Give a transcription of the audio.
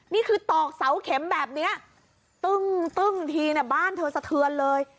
นี่คือตอกเสาเข็มแบบเนี้ยตึ้งตึ้งทีเนี้ยบ้านเธอสะเทือนเลย